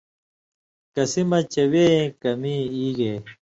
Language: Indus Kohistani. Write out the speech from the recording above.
کسی مہ چے وے ایں کمی ای گے